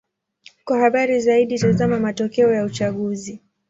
Kwa habari zaidi: tazama matokeo ya uchaguzi.